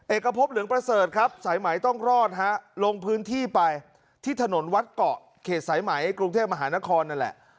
เอกพบเหลืองประเสริฐครับสายไหมต้องรอดฮะลงพื้นที่ไปที่ถนนวัดเกาะเขตสายไหมกรุงเทพมหานครนั่นแหละ